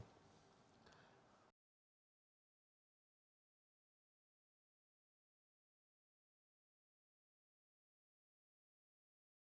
beri eyebrow terima kasih long